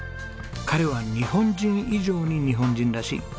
彼は日本人以上に日本人らしい。